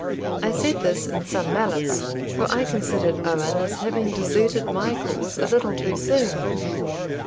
I said this in some malice, for I considered Owen as having deserted my cause a little too soon.